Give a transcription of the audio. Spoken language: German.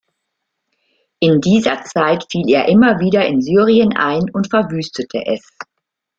In dieser Zeit fiel er immer wieder in Syrien ein und verwüstete es.